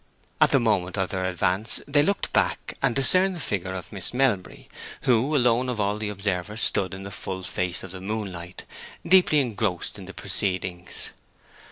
At the moment of their advance they looked back, and discerned the figure of Miss Melbury, who, alone of all the observers, stood in the full face of the moonlight, deeply engrossed in the proceedings.